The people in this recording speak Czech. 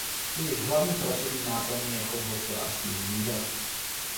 Jejich hlavní pracovní náplní je chov hospodářských zvířat.